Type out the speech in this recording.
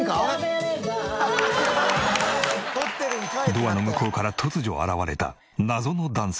ドアの向こうから突如現れた謎の男性。